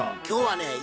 今日はね